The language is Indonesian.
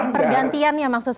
pergantian ya maksud saya